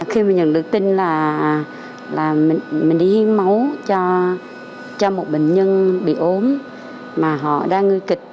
khi mà nhận được tin là mình đi hiến máu cho một bệnh nhân bị ốm mà họ đang nguy kịch